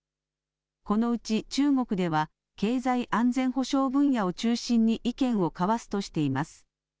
このうち中国では経済安全保障分野を中心に意見を交わすとしています。